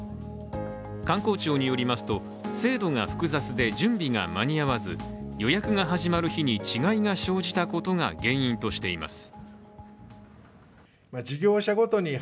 観光庁によりますと制度が複雑で準備が間に合わず予約が始まる日に違いが生じたことが原因としています。